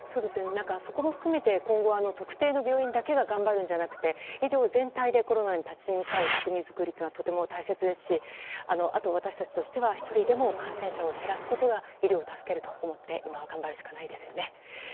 そこも含めて今後は特定の病院だけが頑張るんじゃなくて医療全体でコロナに立ち向かう仕組み作りがとても大切ですしあと、私たちとしては１人でも感染者を減らすことが医療を助けると思って今は頑張るしかないですよね。